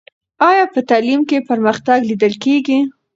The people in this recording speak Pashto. آیا په تعلیم کې پرمختګ لیدل کېږي؟